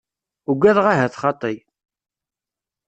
Ugadeɣ ahat xaṭi.